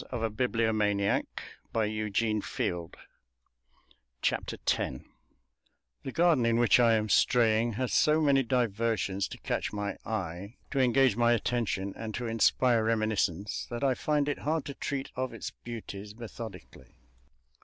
X WHEN FANCHONETTE BEWITCHED ME The garden in which I am straying has so many diversions to catch my eye, to engage my attention and to inspire reminiscence that I find it hard to treat of its beauties methodically.